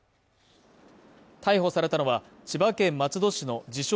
逮捕されたのは千葉県松戸市の自称